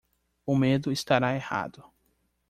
O medo estará errado